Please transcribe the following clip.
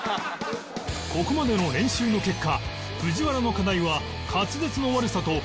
ここまでの練習の結果藤原の課題は滑舌の悪さと関西弁のアクセント